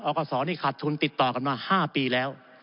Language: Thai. กศนี่ขาดทุนติดต่อกันมา๕ปีแล้ว